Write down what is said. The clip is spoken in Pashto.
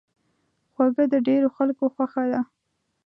خوږه د ډېرو خلکو خوښه ده.